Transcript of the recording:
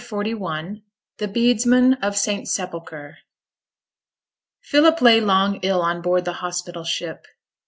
CHAPTER XLI THE BEDESMAN OF ST SEPULCHRE Philip lay long ill on board the hospital ship.